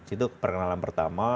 itu perkenalan pertama